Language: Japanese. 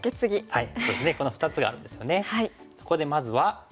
はい。